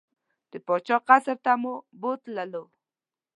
د پاچا قصر ته مو بوتلو.